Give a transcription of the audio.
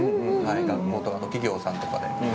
学校とかあとは企業さんとかで。